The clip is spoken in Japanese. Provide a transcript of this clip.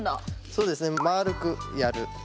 そうですね丸くやる。